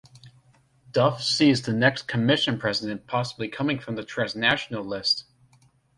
Duff sees the next Commission President possibly coming from the transnational list.